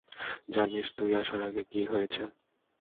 জানিস তুই আসার আগে কী হয়েছে?